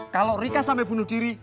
kalau rika sampai bunuh diri